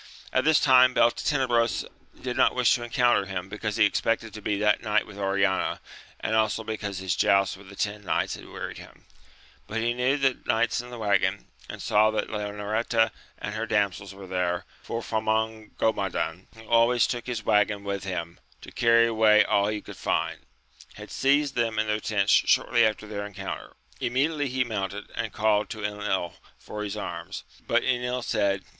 At this time Beltenebros did not wish to encounter him, because he expected td be that night with Oriana, and also because his joust with the ten knights had wearied him ; but he knew the knights in the waggon, and saw that Leonoreta and her damsels were there, for Famongomadan, who al ways took his waggon with him to carry away all he could find, had seized them in their tents shortly after their encounter. Immediately he mounted, and called to £nil for liis arms : but Enil said.